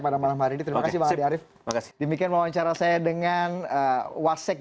pada malam hari ini terima kasih mbak diarif makasih demikian wawancara saya dengan wasek